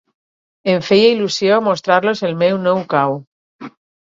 Em feia il·lusió mostrar-los el meu nou cau.